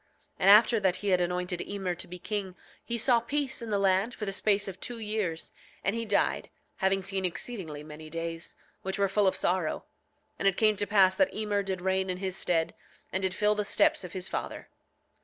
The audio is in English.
9:15 And after that he had anointed Emer to be king he saw peace in the land for the space of two years, and he died, having seen exceedingly many days, which were full of sorrow. And it came to pass that Emer did reign in his stead, and did fill the steps of his father.